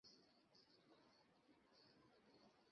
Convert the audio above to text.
আর কোনোভাবে সম্ভব না!